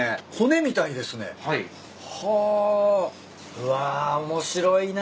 うわ面白いな。